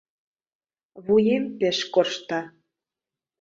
Вуем пеш коршта...